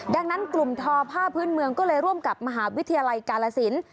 ดังนั้นกลุ่มทอผ้าพื้นเมืองก็เลยร่วมกับมหาวิทยาลัยกาลสิน